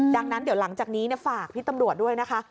ดังนั้นเดี๋ยวหลังจากนี้ฝากพี่ตำรวจด้วยนะคะ